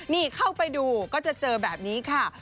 นี่เข้าไปดูก็จะเจอแบบนี้ค่ะ